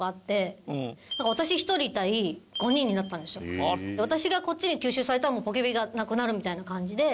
それは私がこっちに吸収されたらポケビがなくなるみたいな感じで。